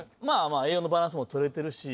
栄養のバランスも取れてるし。